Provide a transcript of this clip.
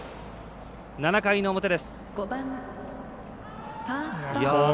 ７回の表です。